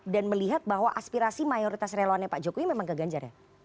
dan melihat bahwa aspirasi mayoritas relawan pak jokowi memang ke ganjar ya